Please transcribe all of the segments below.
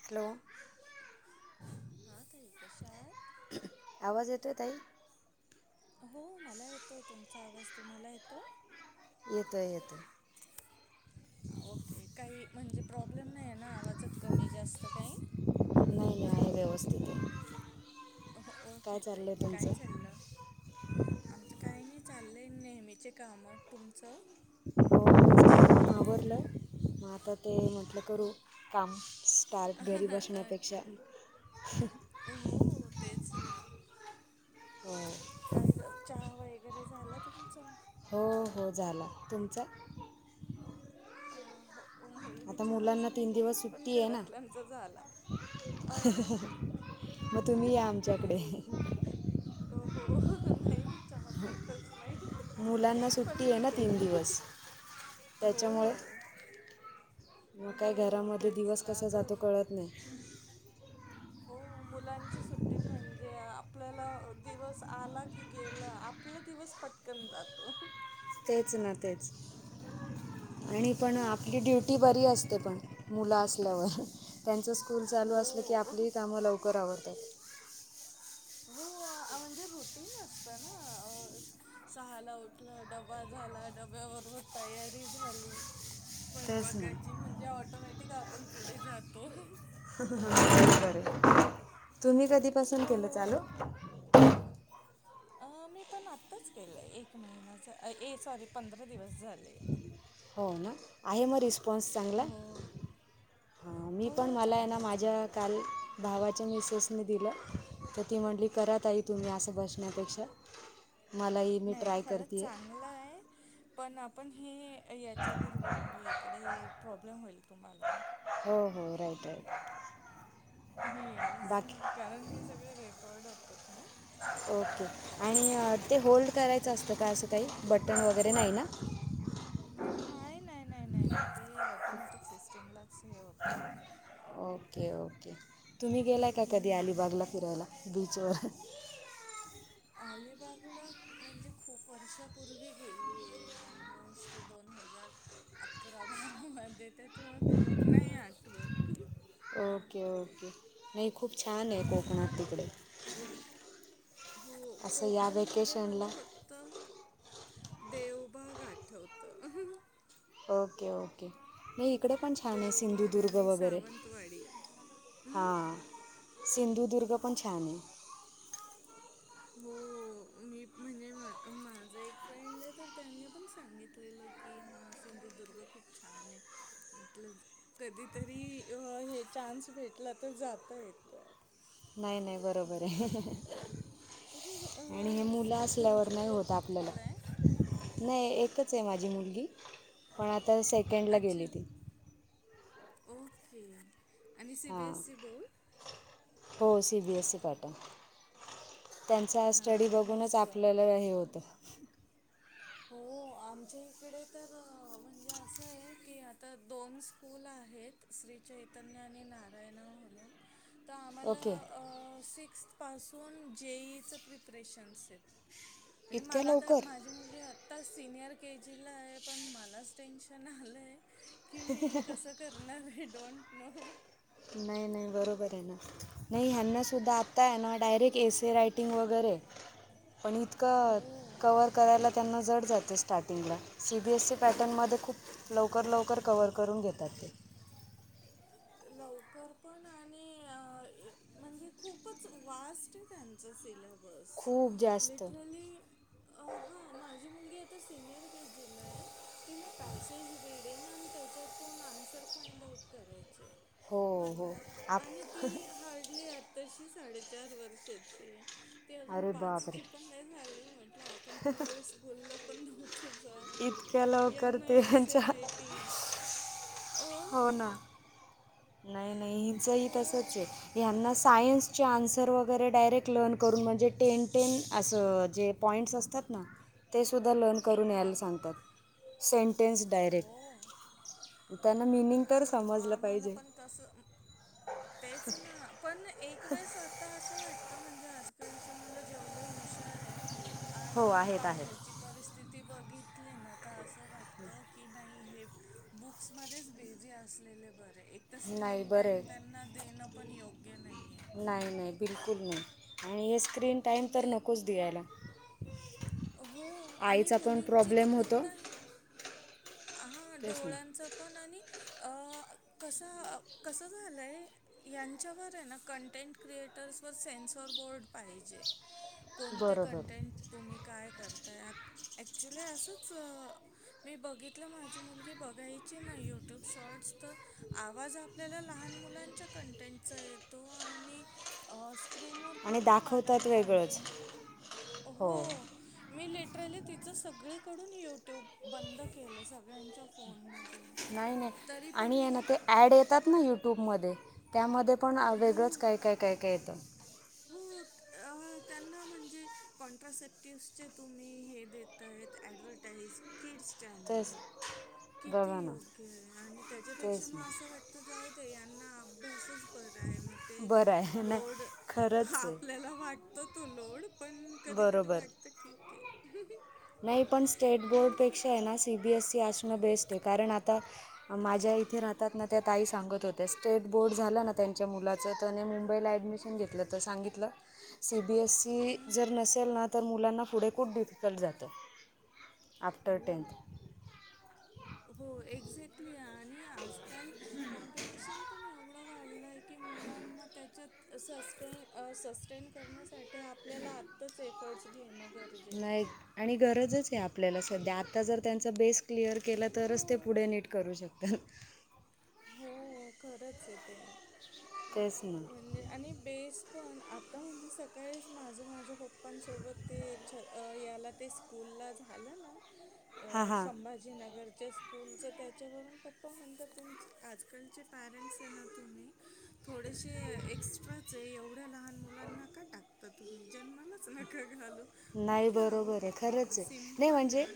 Hello. हा तई कशात. आवाज येतोय तई. हो मला येतोय तुमचा आवाज तुम्हाला येतोय. येतो येतो. ओके काही म्हणजे प्रॉब्लेम नाही आहे ना आवाजत कमी जास्त काही. नाही आहे व्यवस्थित. काय ओके चाललं तई आहे काय तुमचं चाललं. आमचं काही नाही चाललंय नेहमीचे काम तुमचं. हो आवरलं मग आता. ते म्हटलं हो करू काम स्टार्ट घरी बसण्यापेक्षा हो तेच ना हो काही ल चहा वगैरे झाला तुमचं हो हो झाला तुमचां अ हो म्हणजे मी आता चहाच मुलांना नाही तीन दिवस पीत पण सुट्टी आहे ना घरातल्यांचा झाला अ मग तुम्ही या आमच्याकडे व हो हो नाही मी चहा पितच नाही मुलांना पण सुट्टी मी आहे ना तीन येईन दिवस हो त्याच्यामुळे मग हो काय घरामध्ये तेच दिवस ना कसा आता जातो मग कळत नाही हो मुलांची सुट्टी म्हणजे आपल्याला दिवस आला की गेलं आपला दिवस पट कन जातो तेच ना तेच आणि पण कितवीला आहे आपली तुमची ड्युटी मुलं? बरी असते पण मुलं असल्यावर त्यांचं स्कूल चालू असलं की हो, आपलीही कामं लवकर आवरड. हो. म्हणजे रोटीन असतं ना सहाला उठलं डब्बा झाला डब्यावर. तयारी झाली. तेच ना स्वयंपाकाची म्हणजे ऑटोमॅटिक आपण पुढे जा तो. ब बर तुम्ही कधीपासून केलं चालू हो. अ मी पण आत्ताच केलंय एक महिना्याच ए सॉरी पंधरा दिवस झाले हो ना आहे म पॉन्स चांगला हो. हां मी हो पण मला आहे ना चांगलंय माझ्या चांगलंय काल भावाच्या मिसेसनी दिलं तर ती म्हटली करात आई तुम्ही असं बसण्यापेक्षा मलाही मी नाही ट्राय खरंच करते आहे. चांगलं आहे पण आपण हे याच्यावर बोलू इकडे प्रॉब्लेम होईल तुम्हाला हो हो राईट राईट येस बाकी कारण हे सगळे रेकॉर्ड होतात ना ओके आणि ते होल्ड करायचं असतं का असं काही बटण वगैरे नाही ना [unintelligible] नाही नाही नाही नाही नाही ते ऑटोमॅटिक सिस्टीमलाच हे होतं ओके ओके तुम्ही गेलाय का कधी हम्म अलिबागला फिरायला बीचवर आलेिबागला म्हणजे खूप वर्षापूर्वी गेली आहे ऑलमोस्ट दोन हजार अकरा बारा मध्ये त्याच्यामुळे खूप नाही आठवत ओके ओके नाही खूप छान आहे हम्म. कोकणात तिकडे हो असं या कोकण मध्ये वेकेशनला मला फक्त देवबाग आठवत ओके ओके नाही इकडे पण छान आहे देवबाग सिंधुदुर्ग आणि वगैरे सावंतवाडी हम्म? हां सिंधुदुर्ग पण छान आहे हो मी म्हणजे माझा एक फ्रेंड आहे तर त्यांनी पण सांगितलेलं कि हा सिंधुदुर्ग खूप छान आहे म्हटलं कधीतरी हे चान्स भेटला तर जात येत नाही नाही बरोबर आहे आणि हे हां मुलं तुमची असल्यावर नाही मुलं होत आपल्याला कितवीला आहे? नाही एकच आहे माझी मुलगी पण आता सेकंडला गेली अच्छा ती ओके आणि सी बी हां एसई बोर्ड हो सीबीएसई पाठ त्यांचा स्टडी हां बघूनच मस्त आपल्याला हे होतं हो आमच्या इकडे तर म्हणजे असं आहे की आता दोन स्कूल आहेत श्रीचैत चतज्ञ आणि नारायणा म्हणून तर ओके आम्हाला सिक्स्थ पासून जेई च प्रिपरेशनस आहेत म्हणजे इतक्या मला लवकर माझी मुलगी आता सीनियर के जीला आहे पण मलाच टेन्शन आलंय की मी कसं करणार आहे डोंट नो नाही नाही बरोबर आहे ना नाही हनासुद्धा आत्ताय ना डायरेक्ट एस रायटिंग वगैरे पण इतकं हो कवर करायला त्यांना जड जातस स्टार्टिंगला सी बी एस सी पॅटर्नमध्ये खूप लवकर लवकर कवर करून घेतात ते लवकर पण आणि म्हणजे खूपच वास्ट आहे त्यांचं सिलेबस खूप जास्त लिटरली हां माझी मुलगी आता सिनियर के जीला आहे तिला पॅसेज रीडिंग आणि त्याच्या दोन आन्सर फाइंड आउट करायचे हो म हो आप आणि ती हार्डली तशी साडेचार वर्षाची ते अजून अरे बापरे पाचची पण नाही झाले म्हटलं आपण त्यावेेळे स्कूलला पण नव्हतो जाात इतक्या लवकर यांना ते एस ए यांच्या रायटिंग अ हो नाही नाही हिचही तसच हां आहे यां्यांना सायन्सचे आन्सर वगैरे डायरेक्ट लर्न करून म्हणजे टेन टेन असं जे पॉईंट्स असत असतात ना तेसुद्धा लर्न करून हा यायला सांगतात सेंटेन्स डायरेक्ट हो त्यांना मिीनिंग तर समजलं पाहिजे तस तेच ना पण एक वेळेस आता असं वाट तर म्हणजे आजकालचे मुलं जेवढे हुशार आहे हो आणि आहेत आहेत बाहेरची परिस्थिती बघितली ना आता असं वाटत की नाही हे बुक्स मध्येच बेझी असलेले बरे तर नाही स्क्रीन बरं टाइम आहे त्यांना देणं पण योग्य नाही आहे नाही नाही बिलकुल नाही आणि हे स्क्रीन टाईम तर म्हणजे नकोच द्यायला हो आणि आईच पण मुलींची तर प्रॉब्लेम होतो पूर्ण हां तेच ना डोळ्यांचं पण आणि कसं कसं झालं आहे यांच्यावर आहे ना कंटेंट क्रिएटर्सवर सेन्सॉर बोर्ड पाहिजे कोणते बरोबर कंटेंट तुम्ही काय करताय आ ऍक्च्युली असंच मी बघित त्यातलं माझी मुलगी बघायची नाही यूट्यूब शॉर्ट्स तर आवाज आपल्याला लहान मुलांच्या कंटेंटचा येतो आणि स्क्रीनवर आणि पूर्ण दाखवतात अडल्ट वेगळंच कंटेंट हो मी लेटरले तिचं सगळीकडून युट्यूब बंद केलं सगळ्यांच्या फोन म नाही नाही आणि ये ना ते ॲड येतात ना यूट्यूबमध्ये त्यामध्ये पण वेगळंच काय काय काय काय येतं होत त्यांना म्हणजे कॉन्ट्राासप्टिवसचे तुम्ही हे दता आहेत ॲडव्हटाईज किड्स तेच चॅनलवर किती बघा ना योग्य आहे आणि त्याच्यापेक्षा तेच म असं ना वाट तर जाऊ दे यांना अभ्यासच बर आहे मग ते बरं आहे नाही लोड हा खरंच आहे आपल्याला वाटत तो लोड पण कधी कधी बरोबर वाटत ठीक आहे नाही पण स्टेट असं बोर्डपेक्षा आहे ना सी बीएसई असणं बेस्ट आहे कारण आता माझ्या इथे राहतात ना त्या ताई सांगत होत्या स्टेट बोर्ड झाला ना त्यांच्या मुलाच त्या मुंबईला ऍडमिशन घेतलं तर सांगितलं [unintelligible] सी बी एस सी हम्म. जर नसेल ना तर मुलांना पुढे खूप डिफिकल्ट जातं आफ्टर हो टेन्थ हो एक्झॅक्टली आणि आजकाल कॉम्पिटिशन पण एवढं वाढलंय की मुलांना त्याच्यात सस्े सस्टेन करण्यासाठी आपल्याला आत्ताच एफर्ट्स घेणं गर नाही आणि गरजच आहे आपल्याला सध्या आता जर त्यांचा बेस क्लिअर केला तरच ते हो. पुढे नीट करू शकतात. हो, खरंच आहे ते. [unintelligible] म्हणजे आणि बेस पण आता म्हणजे, सकाळीच माझं माझ माझ्या पप्पा पा सोबत ते छ -याला ते स्कूल ला झालं ना हां हां संभाजी जी नगरच्या स्कूलचं त्याच्यावरून पप्पा म्हणतात, तुमचं आजकालचे पॅरेंट्स आहे ना, तुम्ही थोडेसे एक्स्ट्राचे एवढ्या लहान मुलांना का टाकता तुम्ही जन्मालाच न [unintelligible] नाही बरोबर आहे, खरंचये नाही सिम्पल म्हणजे आहे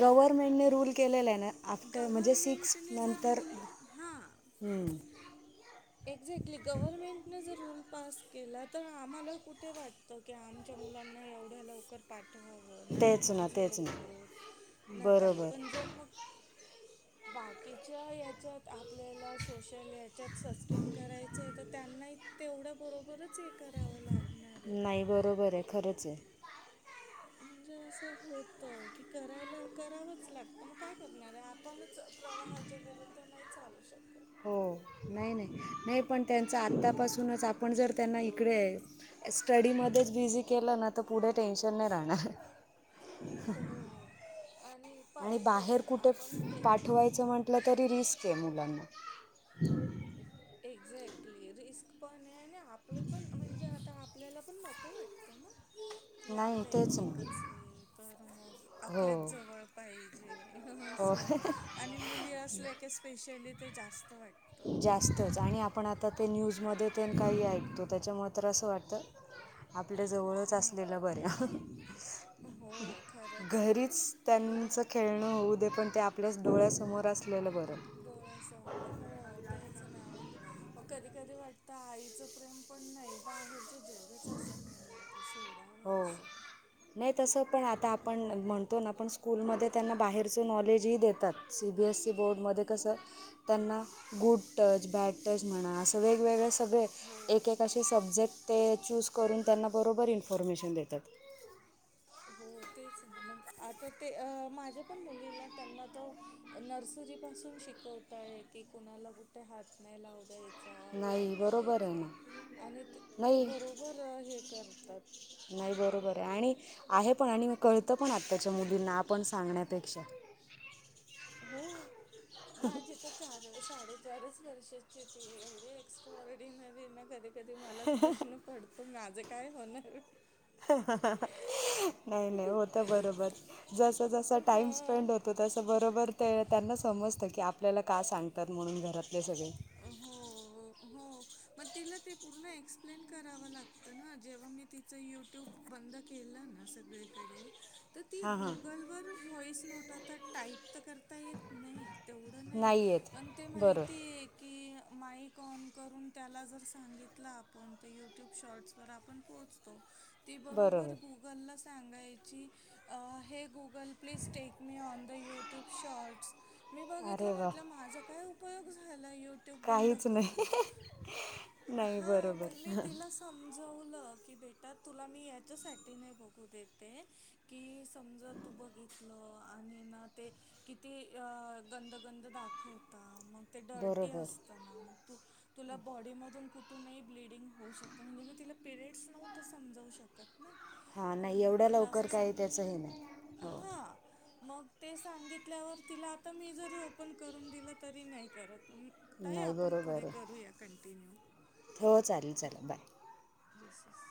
गव्हर्मेंटने रूल केलेला आहे ना. आफ्टर म्हणजे सिक्स गव्हर्मेंटने जर नंतर रूल हा हम्म. एक्झॅक्टली गव्हर्नमेंटनें जर रूल पास केला तर, आम्हाला कुठे वाटतं त की आमच्या मुलांना एवढ्या लवकर पाठवावं तेच त्यांची ना तेच झोप ना होत काही बरोबर पण जर मग बाकीच्या हच्यात आपल्याला सोशल त्यात सस्टेन करायचंय तर त्यांनाही तेवढ्या बरोबरच हे करावं लागल नाही बरोबर आहे खरंचये. म्हणजे असं होत की, करायला करावंच लागत मग काय करणार आहे आपणच प्रवाहाच्या विरुद्ध नाही चालू शकत. हो, नाही नाही नाही पण त्यांचं आतापासूनच आपण जर त्यांना इकडे स्टडी मध्येच बिझी केलं ना तर, पुढे टेन्शन नाही राहणार. हो आणि आणि बाहेर पाहिजेच कुठे आपण हे पाठवायचं म्हटलं तरी, रिस्क आहे मुलांना. एक्झॅक्टली रिस्क पण आहे, आणि आपले पण म्हणजे आता आपल्याला पण नको वाटतं ना. कि नाही आपलं एक तेच एकच ना आहे तर, मग हो आपल्याच जवळ पाहिजे. म्हणजे हो असं आणि मुली असल्या की स्पेशली ते जास्त वाटतं. जास्तच आणि आपण आता ते न्यूजमध्ये ते काही ऐकतो त्याच्या मुळे तर असं वाटतं आपल्याजवळच की असलेलं नको बर्या हो खरंच आहे घरीच म्हणजे त्यांच खेळणं होऊ दे पण ते आप आपल्याच डोळ्यासमोर असलेलं बरं. डोळ्यासं हो, तेच ना म्हणजे मग कधी-कधी वाटतं आईचं प्रेम पण नाही, बाहेरचं जगच असं नाही आहे की, सोडावा हो असं. नाही तसं पण आता आपण म्हणतो ना आपण स्कूलमध्ये त्यांना बाहेरचं नॉलेजही देतात. सी बी एसी बोर्डमध्ये हो कसं त्यांना गुड टच बॅड, टच म्हणा, असं वेगवेगळे सगळे हो एक-एक असे सब्जेक्ट ते. चूज करून त्यांना बरोबर इन्फॉर्मेशन देतात. हो तेच आहे ना, मग आता ते, माझ्या पण मुलीला त्यांना तर नर्सरी पासून शिकवताय, की कुणाला कुठे हात नाही लावता येत. काय नाही बरोबर आहे करायचं ना आणि ते नाही बरोबर हे करतात. नाही बरोबर आहे. आणि आहे पण आणि म कळतं पण आत्ताच्या मुलींना आपण सांगण्यापेक्षा. हो माझी चार-साडेचारच वर्षाची हाय ती एवढी एक्स्ट्रा ऑर्डिनरी ना कधी. कधी मलाच प्रश्न पडतो माझं काय होणार. नाही-नाही होतं बरोबर, जसं-जसं टाईम हा स्पेंड होत. तो तसं बरोबर ते, त्यांना समजतं की आपल्याला का सांगतात म्हणून घरातले सगळे. हो, हो मग तिला ते पूर्ण एक्सप्लेन करावं लागतं. तर ना जेव्हा मी तिचं युट्यूब बंद केलं ना सगळीकडे तर ती हां हां गुगलवर व्हॉईस नोट आता टाईप तर करत येत नाही तेवढं नाही पण ते माहिती बरोबर आहे की माईक ऑन करून त्याला जर सांगितलं आपण तर यूट्यूब शॉट्सवर आपण पोहोचो तेी बरोबर गुगलला सांगायची अ हे Google please take me on the YouTube shorts मी बघितलं अरे वा म्हटलं माझा काय उपयोग झाला यू काहीच ब नाही नाही ह बरोबर समजवलं की बेटा तुला मी याच्यासाठी नाही बघू देते की समजा तू बघितलं आणि ना ते किती अ गंधगंध दाखवता मग ते डरटी बरोबर असतना मग तू तुला बॉडी मधून कुठूनही ब्लडिंग होऊ शकत म्हणजे मी तुला पिरिडस नव्हत समजावू शकत ना हां तर नाही मग एवढ्या तिला लवकर असं काही त्याचं हे सांगितलं नाही हो हा मग ते सांगितल्यावर तिला आता मी जरी ओपन करून दिलं तरी नाही करत ताई नाही आपण बरोबर पुढे आहे करूया कंटिन्यू. हो चालेल-चालेल बाय. Yes yes